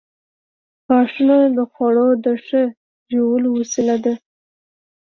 • غاښونه د خوړو د ښه ژولو وسیله ده.